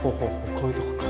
こういうとこか。